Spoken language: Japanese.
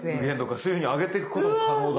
そういうふうに上げてくことも可能だ。